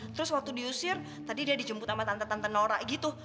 terus waktu diusir tadi dia dijemput sama tante tante nora gitu